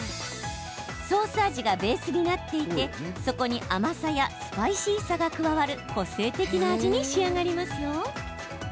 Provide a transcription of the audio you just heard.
ソース味がベースになっていてそこに甘さやスパイシーさが加わる個性的な味に仕上がりますよ。